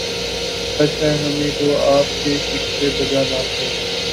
سچ ہے ہمیں کو آپ کے شکوے بجا نہ تھے